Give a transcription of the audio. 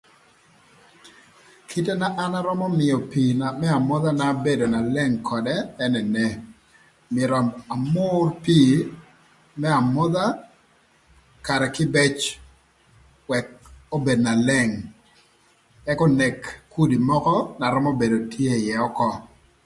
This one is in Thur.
Kite na an arömö mïö pii më amodhana bedo na leng ködë ën ene, myero amür pii më amodha karë kïbëc ëk obed na leng ëk onek kudi mökö na römö bedo tye ïë ökö